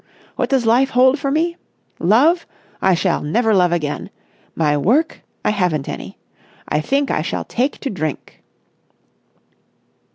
What does life hold for me? Love? I shall never love again. My work? I haven't any. I think I shall take to drink."